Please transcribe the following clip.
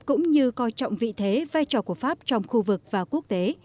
cũng như coi trọng vị thế vai trò của pháp trong khu vực và quốc tế